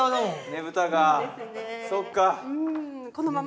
ねぶたがそっか。